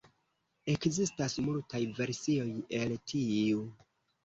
Ekzistas multaj versioj el tiu.